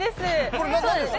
これ、なんですか？